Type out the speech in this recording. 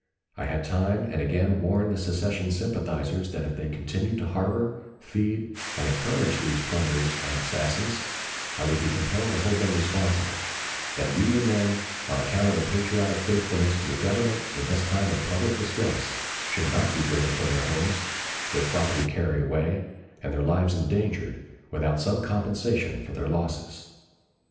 I had time and again warned the secession sympathizers that if they continued to harbor, feed, and encourage these plunderers and assassins, I would be compelled to hold them responsible; that Union men, on account of their patriotic faithfulness to the Government in this time of public distress, should not be driven from their homes, their property carried away, and their lives endangered, without some compensation for their losses.